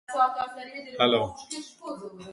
If not for my family, I would have been in big trouble.